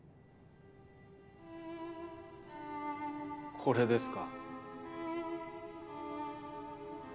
これですか？